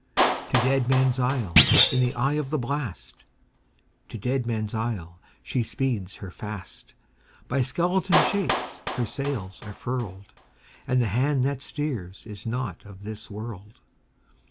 To Deadman's Isle, in the eye of the blast, To Deadman's Isle, she speeds her fast; By skeleton shapes her sails are furled, And the hand that steers is not of this world!